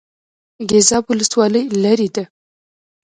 ګیزاب ولسوالۍ لیرې ده؟